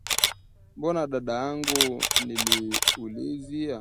" Mbona dadangu? " Niliuliza